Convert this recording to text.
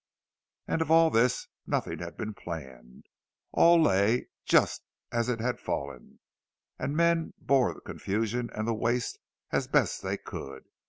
And of all this, nothing had been planned! All lay just as it had fallen, and men bore the confusion and the waste as best they could.